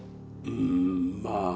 うんまあ